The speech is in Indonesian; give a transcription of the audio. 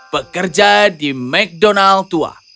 pekerja di mcdonald's tua